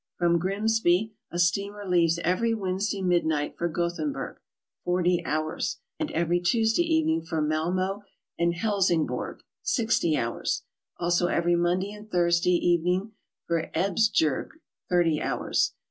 From Grimsby a steamer leaves every Wednesday midnight for Gothenburg (40 hours) and every Tues>day evening for Malmo and Hel singborg (60 hours), also every Monday and Thursday even ing for Esbjerg (30 hours).